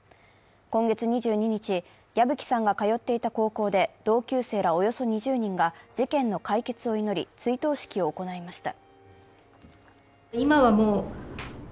今月２２日、矢吹さんが通っていた高校で同級生らおよそ２０人が事件の解決を祈り追悼式を行いました。